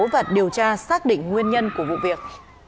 và điều tra xác định nguyên nhân của vụ việc